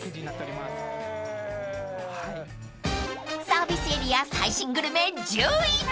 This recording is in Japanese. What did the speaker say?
［サービスエリア最新グルメ１０位］